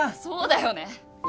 そうだよね。